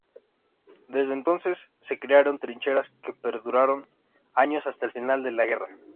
Desde entonces, se crearon trincheras que perduraron años hasta el final de la guerra.